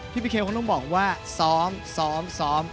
พี่พิเคคงต้องบอกว่าซ้อม